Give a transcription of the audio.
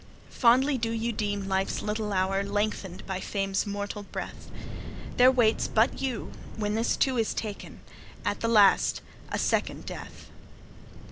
Fondly do ye deem life's little hour Lengthened by fame's mortal breath; There but waits you when this, too, is taken At the last a second death.